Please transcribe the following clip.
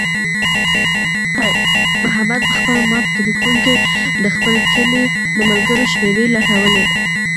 خیر محمد په خپل مات تلیفون کې د خپل کلي د ملګرو شمېرې لټولې.